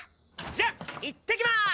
じゃあいってきまーす！